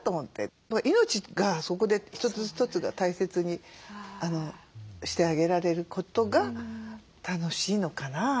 命がそこで一つ一つが大切にしてあげられることが楽しいのかな。